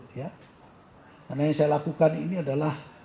karena yang saya lakukan ini adalah